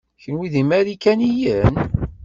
Kenwi d imarikaniyen?